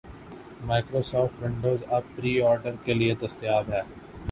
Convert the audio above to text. Microsoft Windows اب pre order کے لیے دستیاب ہے